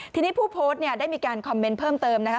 ทีนี้ผู้พสที่ได้มีการบอกเพิ่มเติมนะคะ